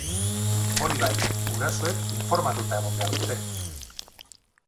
Hori bai, gurasoek informatuta egon behar dute.